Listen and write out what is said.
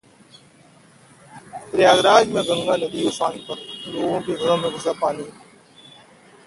प्रयागराज में गंगा नदी उफान पर, लोगों के घरों में घुसा पानी